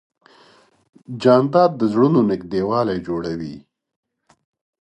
جانداد د زړونو نږدېوالی جوړوي.